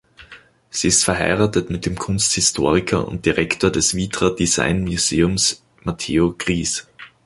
Sie ist verheiratet mit dem Kunsthistoriker und Direktor des Vitra Design Museums Mateo Kries.